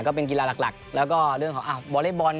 ก็เป็นกีฬาหลักแล้วก็เรื่องของวอเล็กบอล